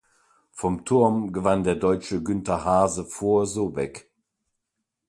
Vom Turm gewann der Deutsche Günter Haase vor Sobek.